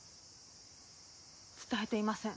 伝えていません。